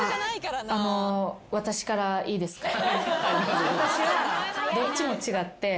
あの私からいいですか？